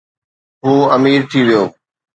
هو امير ٿي ويو